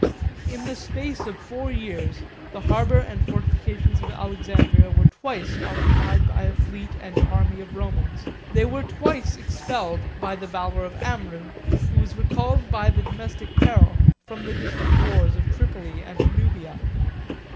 In the space of four years, the harbor and fortifications of Alexandria were twice occupied by a fleet and army of Romans. They were twice expelled by the valor of Amrou, who was recalled by the domestic peril from the distant wars of Tripoli and Nubia.